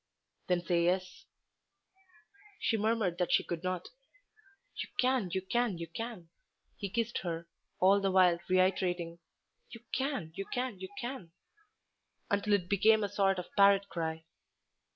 "Then say yes." She murmured that she could not. "You can, you can, you can." He kissed her, all the while reiterating, "You can, you can, you can," until it became a sort of parrot cry.